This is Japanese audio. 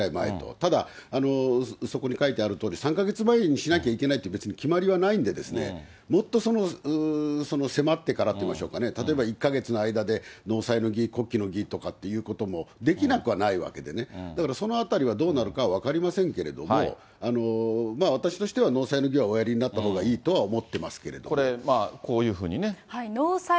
ただ、そこに書いてあるとおり、３か月前にしなきゃいけないって別に決まりはないんでね、もっとその迫ってからっていいましょうかね、例えば１か月の間で納采の儀、告期の儀とかっていうことも、できなくはないわけでね、だからそのあたりはどうなるかは分かりませんけれども、まあ私としては納采の儀はおやりになったほうがいいとは思ってますけれどこれ、こういうふうにね。